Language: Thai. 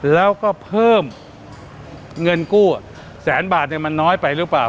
แล้วก็เพิ่มเงินกู้แสนบาทมันน้อยไปหรือเปล่า